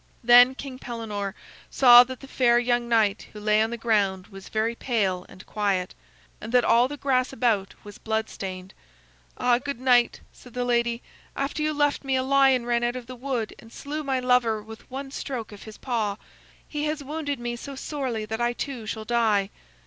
Then King Pellenore saw that the fair young knight who lay on the ground was very pale and quiet, and that all the grass about was blood stained. "Ah, good knight," said the lady, "after you left me, a lion ran out of the wood and slew my lover with one stroke of his paw. He has wounded me so sorely that I too shall die."